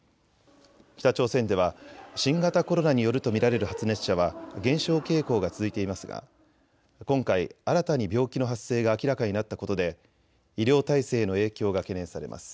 北朝鮮では新型コロナによると見られる発熱者は減少傾向が続いていますが今回、新たに病気の発生が明らかになったことで医療態勢への影響が懸念されます。